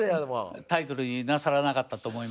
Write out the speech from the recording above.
タイトルになさらなかったと思いますね。